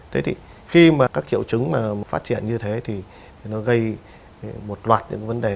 thế thì khi mà các triệu chứng phát triển như thế thì nó gây một loạt những vấn đề